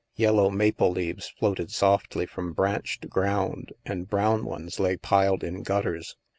Yellow maple leaves floated softly from branch to ground, and brown ones lay piled in gutters.